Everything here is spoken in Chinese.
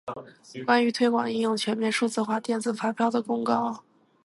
关于推广应用全面数字化电子发票的公告